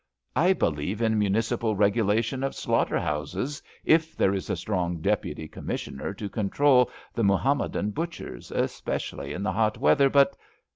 '' I believe in municipal regulation of slaughter houses, if there is a strong Deputy Commissioner to control the Muhammadan butchers, especially in the hot weather, but